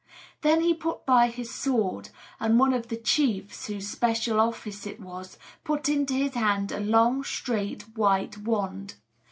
Then he put by his sword; and one of the chiefs, whose special office it was, put into his hand a long, straight, white wand.